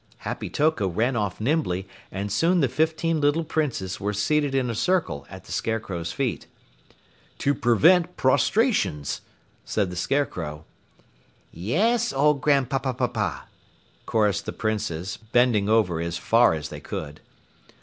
Happy Toko ran off nimbly, and soon the fifteen little Princes were seated in a circle at the Scarecrow's feet. "To prevent prostrations," said the Scarecrow. "Yes, old Grandpapapapapah!" chorused the Princes, bending over as far as they could.